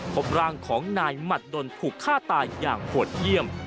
พบร่างของนายหมัดดนถูกฆ่าตายอย่างโหดเยี่ยม